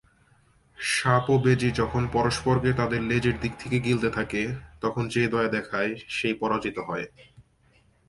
এইচআইভি/এইডসের মত ট্যাবু বিষয়ে বক্তৃতা দিয়ে তিনি বুঝতে পারেন যে পরিবর্তন আনার পূর্বে তার গুরুত্ব প্রতিষ্ঠা করতে হবে।